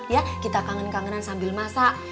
ya kita kangen kangenan sambil masak